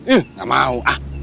ih gak mau